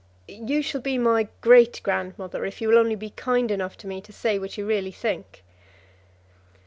"You shall be my great grandmother if you will only be kind enough to me to say what you really think."